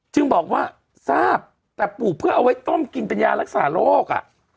จึงบอกว่าทราบแต่ปลูกเพื่อเอาไว้ต้มกินเป็นยารักษาโรค